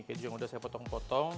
keju yang udah saya potong potong